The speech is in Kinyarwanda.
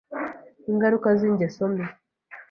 ingaruka z’ingeso mbi